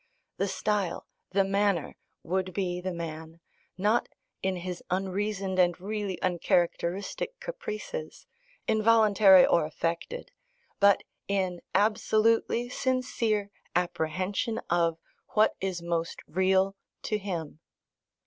The style, the manner, would be the man, not in his unreasoned and really uncharacteristic caprices, involuntary or affected, but in absolutely sincere apprehension of what is most real to him.